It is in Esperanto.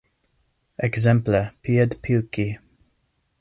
Ekzemple piedpilki.